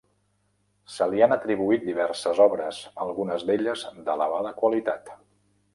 Se li han atribuït diverses obres, algunes d'elles d'elevada qualitat.